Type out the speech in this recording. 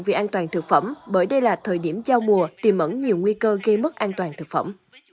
vì an toàn thực phẩm bởi đây là thời điểm giao mùa tìm ẩn nhiều nguy cơ gây mất an toàn thực phẩm